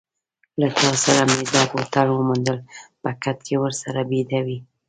له تا سره مې دا بوتل وموندل، په کټ کې ورسره بیده وې.